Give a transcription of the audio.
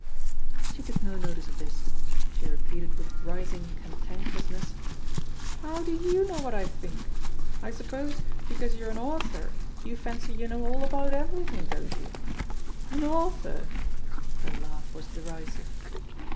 She took no notice of this; she repeated with rising cantankerousness, "How do you know what. I think? I suppose, because you're an author, you fancy you know all about everything, don't you? An author?" Her laugh was deri sive.